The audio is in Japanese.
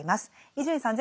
伊集院さん